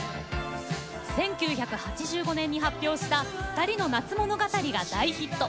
１９８５年に発表した「ふたりの夏物語」が大ヒット。